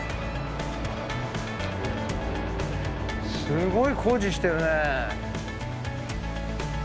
すごい工事してるね！